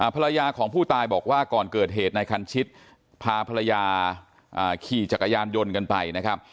ภรรยาของผู้ตายบอกว่าก่อนเกิดเหตุนายคันชิตพาภรรยาขี่จักรยานยนต์กันไปนะครับ